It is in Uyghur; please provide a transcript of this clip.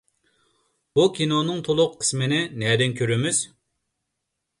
بۇ كىنونىڭ تولۇق قىسمىنى نەدىن كۆرىمىز؟